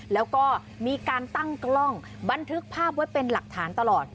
แล้วก็มีการตั้งกล้องบันทึกภาพไว้เป็นหลักฐานตลอด